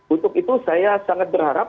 untuk itu saya sangat berharap